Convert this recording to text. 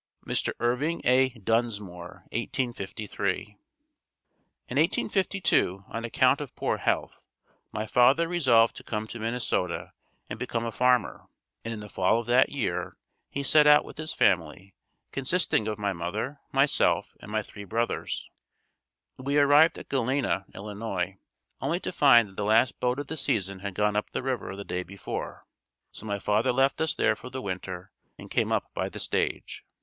Mr. Irving A. Dunsmoor 1853. In 1852 on account of poor health, my father resolved to come to Minnesota and become a farmer, and in the fall of that year, he set out with his family, consisting of my mother, myself and my three brothers. We arrived at Galena, Ill., only to find that the last boat of the season had gone up the river the day before. So my father left us there for the winter and came up by the stage.